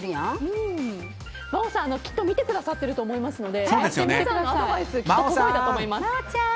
真央さんきっと見てくれていると思いますのでアドバイスが届いたと思います。